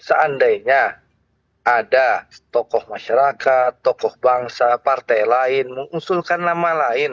seandainya ada tokoh masyarakat tokoh bangsa partai lain mengusulkan nama lain